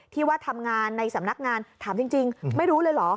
ที่ว่าทำงานในสำนักงานถามจริงไม่รู้เลยเหรอ